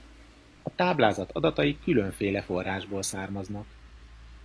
A táblázat adatai különféle forrásból származnak.